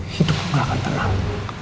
hidup gua bakal tenang